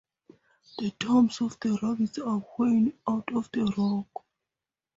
The tombs of the rabbis are hewn out of the rock.